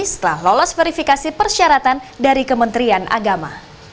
setelah lolos verifikasi persyaratan dari kementerian agama